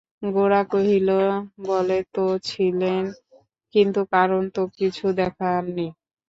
গোরা কহিল, বলে তো ছিলেন, কিন্তু কারণ তো কিছু দেখান নি।